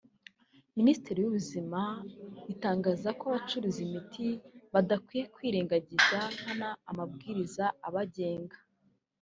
Minisiteri y’Ubuzima itangaza ko abacuruza imiti badakwiye kwirengagiza nkana amabwiriza abagenga